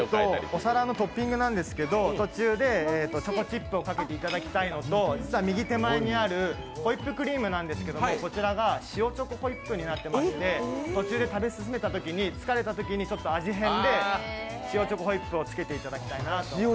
お皿のトッピングなんですけど途中でチョコチップをかけていただきたいのと実は右手前にあるホイップクリームなんですけれども、こちらが塩チョコホイップになっていまして途中で食べ進めたときに疲れたときに味変で塩チョコホイップをつけていただきたい。